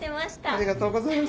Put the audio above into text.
ありがとうございます。